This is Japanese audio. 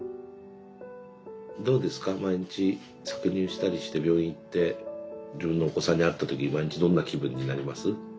どうですか毎日搾乳したりして病院行って自分のお子さんに会った時毎日どんな気分になります？